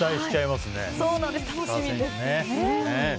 楽しみですね。